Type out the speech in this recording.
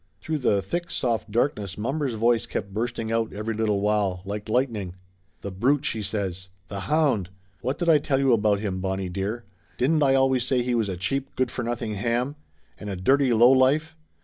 Through the thick soft darkness mommer's voice kept bursting out every little while, like lightning. "The brute!" she says. "The hound! What did I tell you about him, Bonnie dearie? Didn't I always say he was a cheap, good for nothing ham? And a dirty low life?